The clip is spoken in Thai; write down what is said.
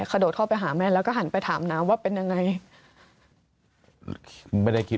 กระโดดเข้าไปหาแม่แล้วก็หันไปถามน้ำว่าเป็นยังไง